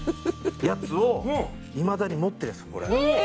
やつをいまだに持ってるんですこれ。